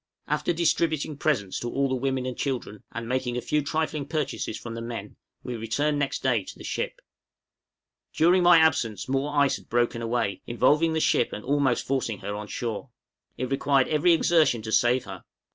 After distributing presents to all the women and children, and making a few trifling purchases from the men, we returned next day to the ship. {AGAIN IN DANGER.} During my absence more ice had broken away, involving the ship and almost forcing her on shore. It required every exertion to save her.